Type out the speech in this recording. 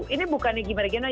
ini bukannya gimana gimana